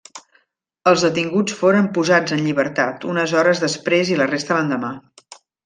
Els detinguts foren posats en llibertat, unes hores després i la resta l'endemà.